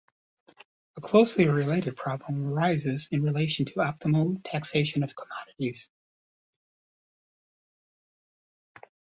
A closely related problem arises in relation to optimal taxation of commodities.